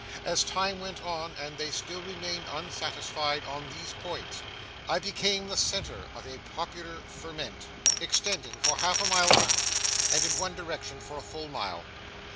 As time went on, and they still remained unsatisfied on these points, I became the centre of a popular ferment, extending for half a mile round, and in one direction for a full mile.